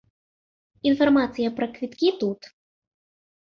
Інфармацыя пра квіткі тут.